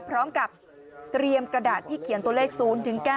พร้อมกับเตรียมกระดาษที่เขียนตัวเลข๐๙